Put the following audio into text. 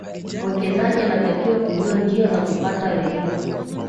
mwekezaji anatakiwa kujua njia za kupata redio